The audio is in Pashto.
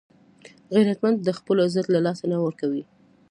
غیرتمند د خپلو عزت له لاسه نه ورکوي